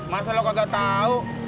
masa lu gak tau